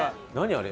あれ。